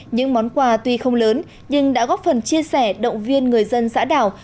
những món quà tuy không lớn nhưng đã góp phần chia sẻ động viên người dân xã đảo